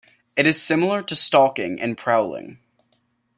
It is similar to stalking and prowling.